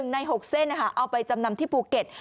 ใน๖เส้นเอาไปจำนำที่ภูเก็ต